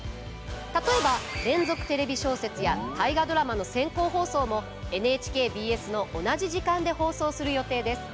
例えば「連続テレビ小説」や「大河ドラマ」の先行放送もＮＨＫＢＳの同じ時間で放送する予定です。